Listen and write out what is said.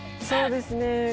そうですね。